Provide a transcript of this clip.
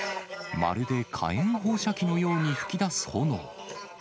まるで火炎放射器のように噴き出す炎。